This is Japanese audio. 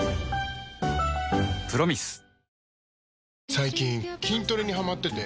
最近筋トレにハマってて。